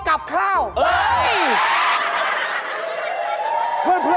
กับข้าวกับผ้าว